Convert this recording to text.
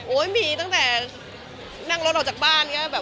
โอ้ยมีตั้งแต่นั่งรถออกจากบ้านก็คิดถึงแล้ว